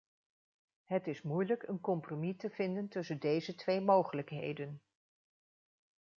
Het is moeilijk een compromis te vinden tussen deze twee mogelijkheden.